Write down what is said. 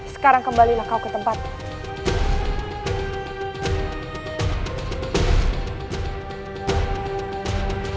sekarang kembalilah kau ke tempat